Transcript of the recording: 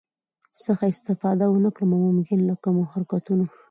څخه استفاده ونکړم او ممکن له کمو حرکتونو